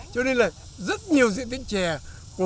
cho nên là rất nhiều cây chè mắc ca vừa chê tán chê lên rất tốt